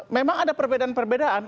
memang ada perbedaan perbedaan